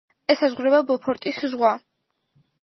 ესაზღვრება ბოფორტის ზღვა.